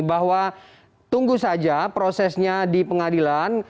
bahwa tunggu saja prosesnya di pengadilan